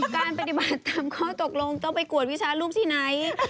การปฏิบัติตามข้อตกลงต้องไปกวดวิชารูปที่ไหน